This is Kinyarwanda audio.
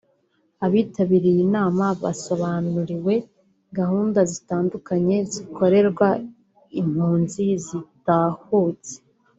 Abitabiriye iyi nama basobanuriwe gahunda zitandukanye zikorerwa impunzi zitahutse